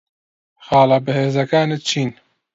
خاڵە بەهێزەکانت چین؟